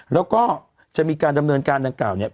แล้วก็จะมีการดำเนินการดังกล่าวเนี่ย